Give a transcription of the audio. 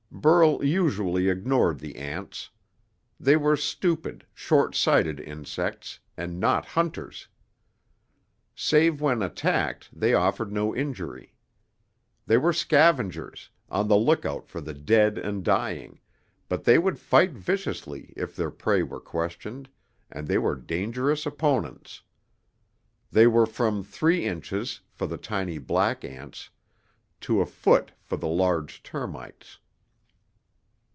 Burl usually ignored the ants. They were stupid, short sighted insects, and not hunters. Save when attacked, they offered no injury. They were scavengers, on the lookout for the dead and dying, but they would fight viciously if their prey were questioned, and they were dangerous opponents. They were from three inches, for the tiny black ants, to a foot for the large termites.